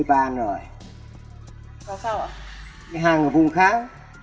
về rồi bóc nó ra phải làm